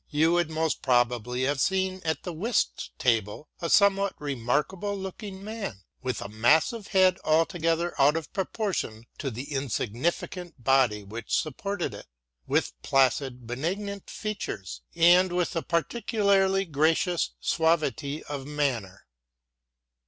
you would most probably have seen at the whist table a somewhat remarkable looking man, with a massive head altogether out of proportion to the insignificant body which supported it, with placid, benignant features, and with a particularly gracious suavity of manner.